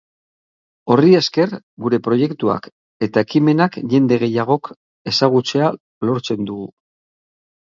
Horri esker, gure proiektuak eta ekimenak jende gehiagok ezagutzea lortzen dugu.